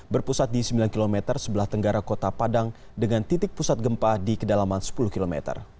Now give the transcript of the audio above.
berpusat di sembilan km sebelah tenggara kota padang dengan titik pusat gempa di kedalaman sepuluh km